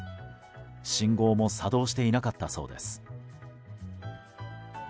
信号も作動していなかったそうです。